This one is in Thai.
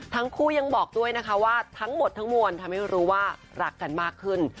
ทั้งคู่ยังบอกด้วยนะคะว่าทั้งหมดทั้งมวลทำให้รู้ว่ารักกันมากขึ้น